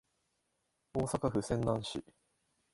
大阪府泉南市